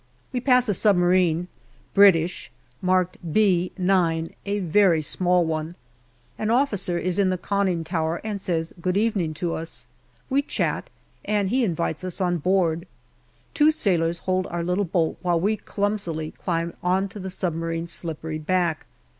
We pass a submarine British marked B 9, a very small one. An officer is in the conning tower and says " Good evening " to us. We chat, and he invites us on board. Two sailors hold our little boat while we clumsily climb on to the submarine's slippery back.